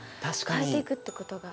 変えていくってことが。